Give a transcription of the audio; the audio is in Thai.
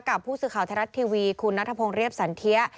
กับผู้สื่อข่าวไทยรัฐทีวีคุณนัทพงศ์เรียบสันเทีย